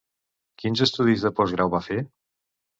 Quins estudis de postgrau va fer?